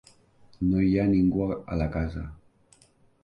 No hi ha ningú a la casa.